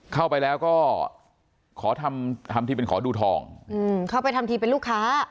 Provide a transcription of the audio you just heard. เข้าไปแล้วก็ขอทำทำทีเป็นขอดูทองอืมเข้าไปทำทีเป็นลูกค้า